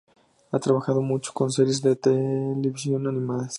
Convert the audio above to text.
Ha trabajado mucho con series de televisión animadas.